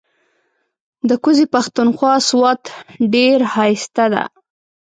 ده کوزی پښتونخوا سوات ډیر هائسته دې